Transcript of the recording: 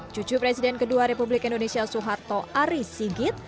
cucu presiden kedua republik indonesia soeharto aris sigit